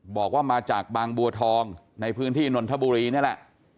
บอกว่ามาจากบางบัวทองในพื้นที่นนทบุรีนี่แหละ